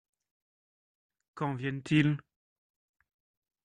Quand viennent-ils ?